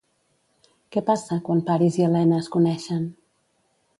Què passa quan Paris i Elena es coneixen?